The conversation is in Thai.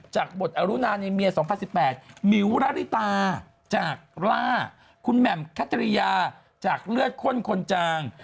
จากบทอรุณาในเมีย๒๐๑๘มิวระริตาจากล่าคุณแหม่มคัตริยาจากเลือดข้นคนจาง